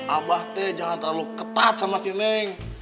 abah teh jangan terlalu ketat sama si neng